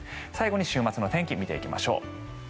最後に週末の天気を見ていきましょう。